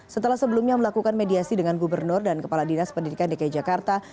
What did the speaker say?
setelah sebelumnya melakukan mediasi dengan gubernur dan kepala dinas pendidikan dki jakarta